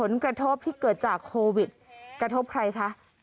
น้ำป่าเสดกิ่งไม้แม่ระมาศ